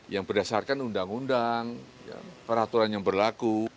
yang berdasarkan undang undang peraturan yang berlaku